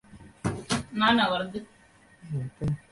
আরেকজন বাকি আছে।